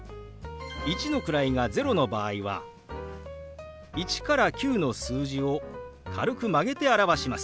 １の位が０の場合は１から９の数字を軽く曲げて表します。